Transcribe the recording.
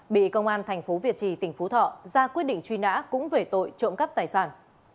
bị công an thành phố việt trì tỉnh phú thọ ra quyết định truy nã cũng về tội trộm cắp tài sản